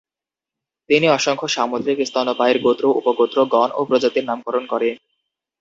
তিনি অসংখ্য সামুদ্রিক স্তন্যপায়ীর গোত্র, উপগোত্র, গণ ও প্রজাতির নামকরণ করে।